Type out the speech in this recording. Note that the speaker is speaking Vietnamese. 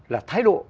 là thái độ